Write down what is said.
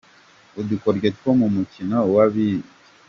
Udukoryo two mu mukino wa Biye